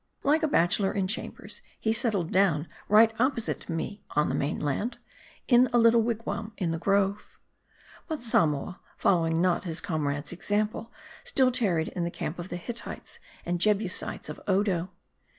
Like a bachelor in cham bers, he settled down right opposite to me, on the main land, in a little wigwam in the grove. But Samoa, following not his comrade's example, still tarried in the camp of the Hittites and Jebusites of Odo.